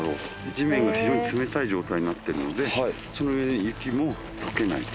地面が非常に冷たい状態になってるのでそれで雪も解けないと。